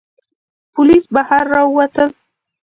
پوليس بهر را ووتل.